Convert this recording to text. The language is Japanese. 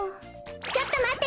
ちょっとまっててね。